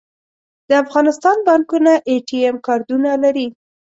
د افغانستان بانکونه اې ټي ایم کارډونه لري